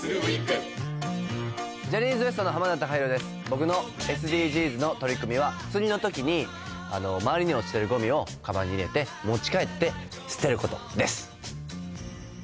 僕のＳＤＧｓの取り組みは釣りの時に周りに落ちてるゴミをかばんに入れて持ち帰って捨てることです